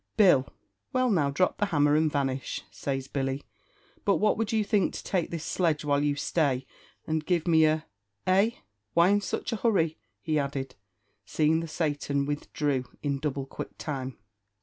Bill!" "Well, now drop the hammer, and vanish," says Billy; "but what would you think to take this sledge, while you stay, and give me a eh! why in such a hurry?" he added, seeing that Satan withdrew in double quick time.